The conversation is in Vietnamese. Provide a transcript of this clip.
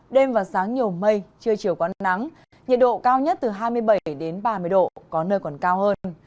đêm và sáng nhiều mây trưa chiều có nắng nhiệt độ cao nhất từ hai mươi bảy đến ba mươi độ có nơi còn cao hơn